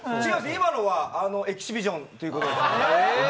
今のはエキシビジョンということで。